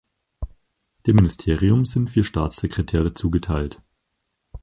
Dem Ministerium sind vier Staatssekretäre zugeteilt.